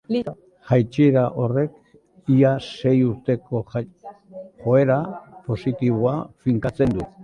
Jaitsiera horrek ia sei urteko joera positiboa finkatzen du.